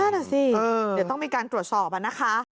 นั่นน่ะสิเดี๋ยวต้องมีการตรวจสอบนะคะ